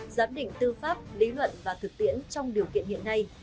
giám định tư pháp lý luận và thực tiễn trong điều kiện hiện nay